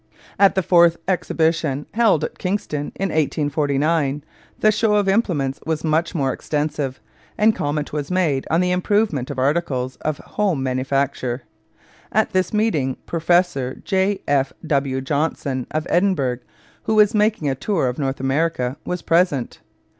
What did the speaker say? At the fourth exhibition, held at Kingston in 1849, the show of implements was much more extensive, and comment was made on the improvement of articles of home manufacture. At this meeting Professor J. F. W. Johnson, of Edinburgh, who was making a tour of North America, was present.